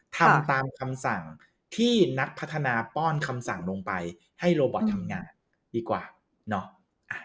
ทำตามคำสั่งที่นักพัฒนาป้อนคำสั่งลงไปให้โรบอตทำงานดีกว่าเนาะ